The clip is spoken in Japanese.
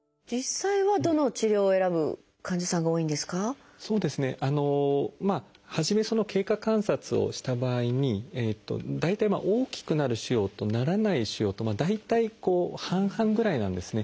あの初め経過観察をした場合に大体大きくなる腫瘍とならない腫瘍と大体半々ぐらいなんですね。